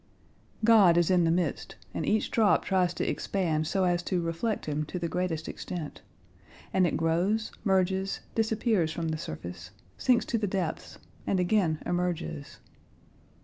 "God is in the midst, and each drop tries to expand so as to reflect Him to the greatest extent. And it grows, merges, disappears from the surface, sinks to the depths, and again emerges.